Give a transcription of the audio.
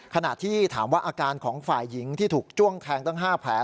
ขณะที่ถามว่าอาการของฝ่ายหญิงที่ถูกจ้วงแทงตั้ง๕แผล